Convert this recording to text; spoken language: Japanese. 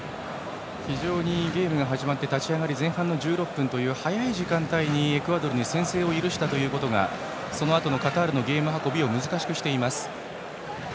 ゲームが始まって立ち上がり前半の１６分という早い時間帯にエクアドルに先制を許したことがそのあとのカタールのゲーム運びを難しくしています。